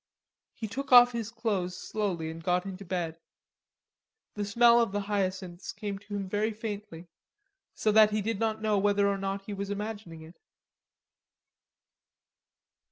He took off his clothes slowly and got into bed. The smell of the hyacinths came to him very faintly, so that he did not know whether or not he was imagining it.